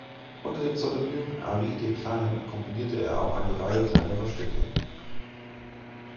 Unter dem Pseudonym Arie de Klein komponierte er eine Reihe kleinerer Stücke.